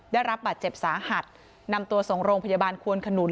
ได้รับบาดเจ็บสาหัสนำตัวส่งโรงพยาบาลควนขนุน